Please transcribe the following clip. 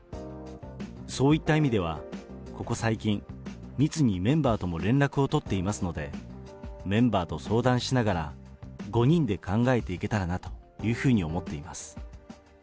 そういった意味では、ここ最近、密にメンバーとも連絡を取っていますので、メンバーと相談しながら、５人で考えていけたらなというふうに思っています。